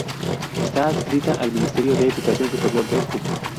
Está adscrita al Ministerio de Educación Superior de Cuba.